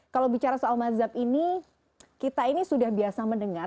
kalau bicara soal mazhab ini kita ini sudah biasa mendengar